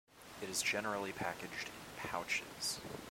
It is generally packaged in pouches.